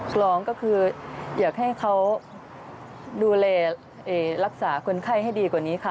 กรองก็คืออยากให้เขาดูแลรักษาคนไข้ให้ดีกว่านี้ค่ะ